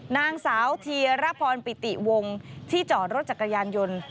นางสาวธีรพรปิติวงที่จอดรถจักรยานยนต์